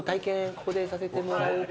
ここでさせてもらう。